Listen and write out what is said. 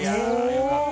よかった。